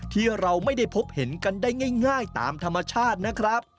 ที่เราไม่ได้พบเห็นกันได้ง่ายตามธรรมชาตินะครับ